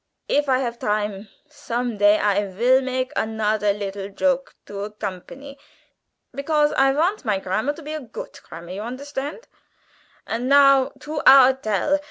If I haf time, some day I will make anozer liddle choke to aggompany, begause I vant my Crammar to be a goot Crammar, you understandt. And now to our Tell.